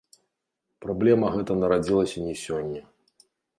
Праблема гэта нарадзілася не сёння.